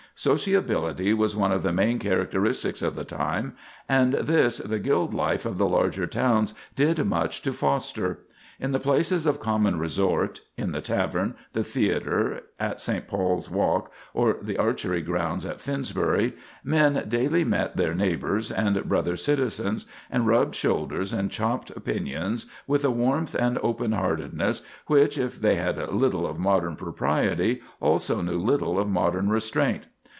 Sociability was one of the main characteristics of the time, and this the guild life of the larger towns did much to foster. In the places of common resort—in the tavern, the theatre, at St. Paul's Walk, or the Archery Ground at Finsbury, men daily met their neighbors and brother citizens, and rubbed shoulders and chopped opinions with a warmth and open heartedness which, if they had little of modern propriety, also knew little of modern restraint.